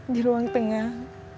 di ruang tengah